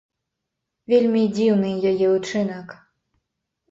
Вельмі дзіўны яе ўчынак.